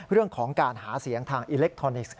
เรื่องของการหาเสียงทางอิเล็กทรอนิกส์